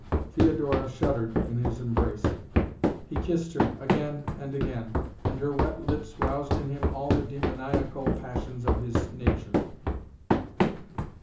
Theodora shuddered in his embrace. He kissed her, again and again, and her wet lips roused in him all the demoniacal passions of his nature.